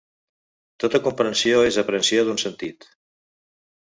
Tota comprensió és aprehensió d'un sentit.